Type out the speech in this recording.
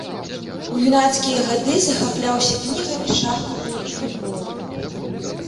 У юнацкія гады захапляўся кнігамі, шахматамі і футболам.